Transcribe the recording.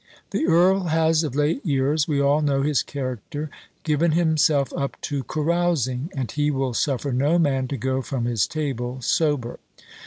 "The earl has of late years we all know his character given himself up to carousing, and he will suffer no man to go from his table sober.